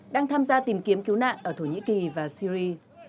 đang tham gia tìm kiếm cứu nạn ở thổ nhĩ kỳ và syri